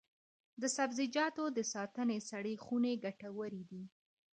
د سبزیجاتو د ساتنې سړې خونې ګټورې دي.